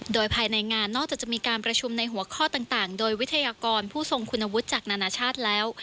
โดยภายในงานนอกจากจะมีการประชุมในหัวข้อต่างโดยวิทยากรผู้ทรงคุณวุฒิจากนานาชาติแล้ว